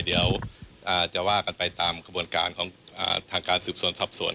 เดี๋ยวจะว่ากันไปตามกระบวนการของทางการสืบสวนสอบสวน